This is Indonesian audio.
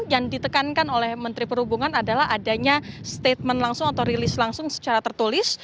yang ditekankan oleh menteri perhubungan adalah adanya statement langsung atau rilis langsung secara tertulis